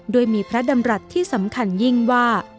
โดยมีพระดำรัฐที่สำคัญยิ่งว่า